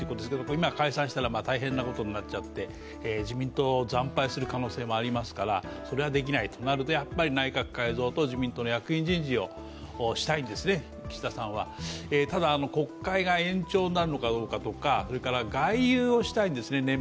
今、解散したら大変なことになって自民党惨敗する可能性もありますから、それはできないとなるとやっぱり内閣改造と自民党の役員人事をしたいんですね、岸田さんはただ国会が延長になるのかどうかとか、年末年始、外遊をしたいんですね。